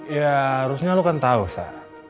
ya harusnya lo kan tau sar